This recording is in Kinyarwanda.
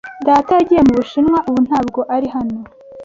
Data yagiye mu Bushinwa. Ubu ntabwo ari hano.